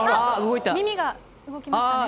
耳が動きましたね。